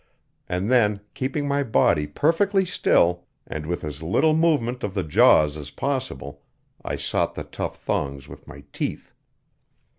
And then, keeping my body perfectly still, and with as little movement of the jaws as possible, I sought the tough thongs with my teeth.